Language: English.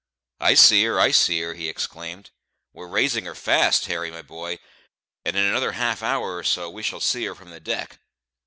"I see her, I see her," he exclaimed; "we're raising her fast, Harry, my boy; and in another half hour or so we shall see her from the deck."